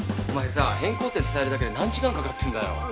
お前さ変更点伝えるだけで何時間かかってんだよ？